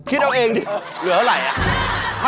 คิดเอาเองดิเหลือเวลาไรอะ